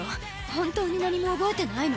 本当に何も覚えてないの？